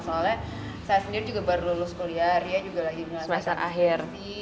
soalnya saya sendiri juga baru lulus kuliah ria juga lagi pasar akhir